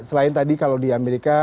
selain tadi kalau di amerika